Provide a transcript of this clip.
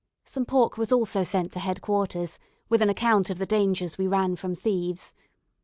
Some pork was also sent to head quarters, with an account of the dangers we ran from thieves.